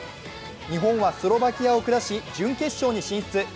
日本はスロバキアを下し、準決勝に進出。